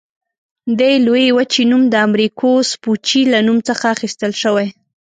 دې لویې وچې نوم د امریکو سپوچي له نوم څخه اخیستل شوی.